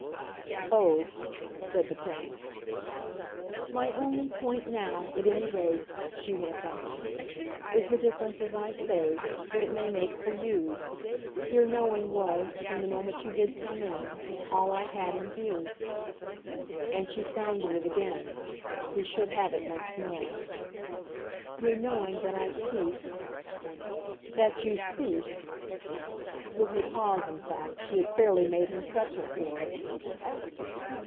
"Oh!" said the Prince. "My only point now, at any rate," she went on, "is the difference, as I say, that it may make for YOU. Your knowing was from the moment you did come in all I had in view." And she sounded it again he should have it once more. "Your knowing that I've ceased " "That you've ceased ?" With her pause, in fact, she had fairly made him press her for it.